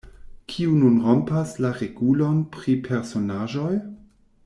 "Kiu nun rompas la regulon pri personaĵoj?"